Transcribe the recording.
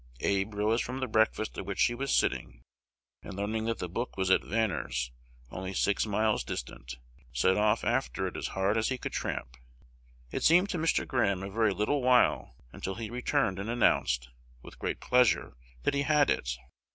Abe rose from the breakfast at which he was sitting, and learning that the book was at Vaner's, only six miles distant, set off after it as hard as he could tramp. It seemed to Mr. Graham a very little while until he returned and announced, with great pleasure, that he had it.